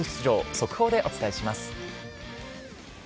速報でお伝えします。